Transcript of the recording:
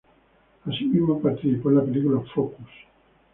Así mismo participó en la película Focus.